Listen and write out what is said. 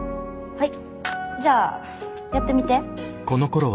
はい。